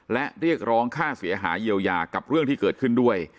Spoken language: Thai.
และเรียกร้องค่าเสียหายเยียวยากับเรื่องที่เกิดขึ้นด้วย